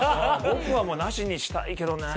僕はもうなしにしたいけどね。